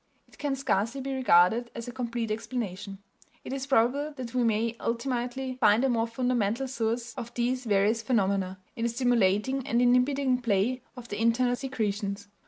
It can scarcely be regarded as a complete explanation. It is probable that we may ultimately find a more fundamental source of these various phenomena in the stimulating and inhibiting play of the internal secretions.